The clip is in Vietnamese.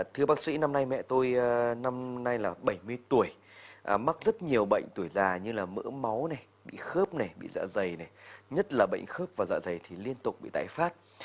thưa bác sĩ năm nay mẹ tôi năm nay là bảy mươi tuổi mắc rất nhiều bệnh tuổi già như là mỡ máu này bị khớp này bị dạ dày này nhất là bệnh khớp và dạ dày thì liên tục bị tái phát